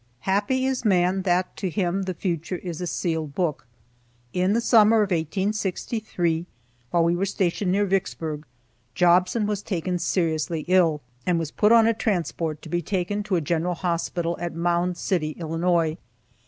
Happy is man that to him the future is a sealed book. In the summer of 1863, while we were stationed near Vicksburg, Jobson was taken seriously ill, and was put on a transport to be taken to a general hospital at Mound City, Illinois.